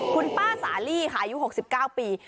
คุณป้าสาลี่ค่ะอายุ๖๙ปี